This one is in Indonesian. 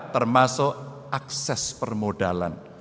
termasuk akses permodalan